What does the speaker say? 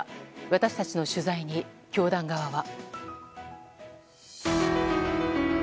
私たちの取材に、教団側は。